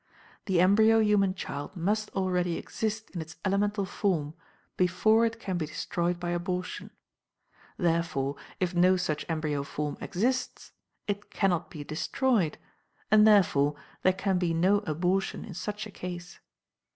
The embryo human child must already exist in its elemental form, before it can be destroyed by abortion. Therefore, if no such embryo form exists, it cannot be destroyed, and therefore there can be no abortion in such a case.